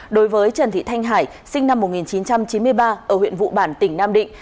đối với trần thị thanh hải sinh năm một nghìn chín trăm chín mươi ba ở huyện vụ bản tỉnh nam định